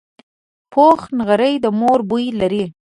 پوخ نغری د مور بوی لري